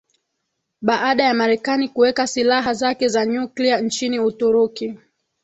Baada ya Marekani kuweka Silaha zake za Nyuklia nchini Uturuki